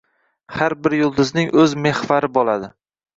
Har bir yulduzning o’z mehvari bo’ladi.